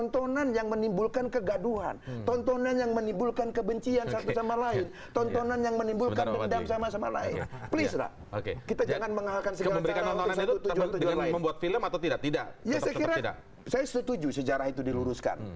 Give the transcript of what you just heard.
tidak ada di dalam film itu ya